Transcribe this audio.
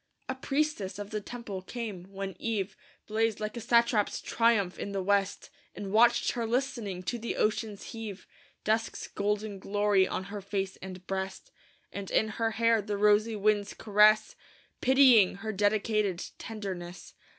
A priestess of the temple came, when eve Blazed, like a satrap's triumph, in the west; And watched her listening to the ocean's heave, Dusk's golden glory on her face and breast, And in her hair the rosy wind's caress, Pitying her dedicated tenderness.